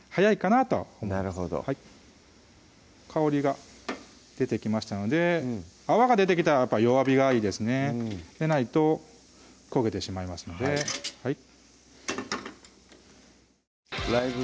なるほど香りが出てきましたので泡が出てきたら弱火がいいですねでないと焦げてしまいますのではい